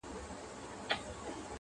رنګ به د پانوس نه وي تیاره به وي!